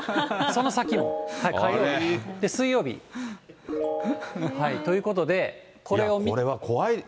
その先も、火曜日、水曜日。ということで、これを見て。